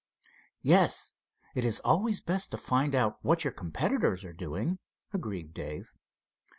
"Yes, it is always best to find out what your competitors are doing," agreed Dave.